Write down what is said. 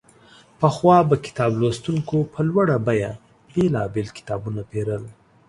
پخوا به کتاب لوستونکو په لوړه بیه بېلابېل کتابونه پېرل.